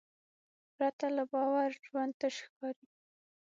پرته له باور ژوند تش ښکاري.